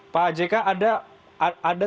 pak jk ada